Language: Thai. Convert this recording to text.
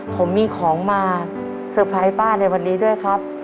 ผมมีของมาเซอร์ไพรส์ป้าในวันนี้ด้วยครับ